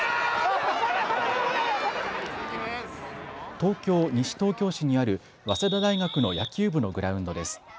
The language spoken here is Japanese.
東京西東京市にある早稲田大学の野球部のグラウンドです。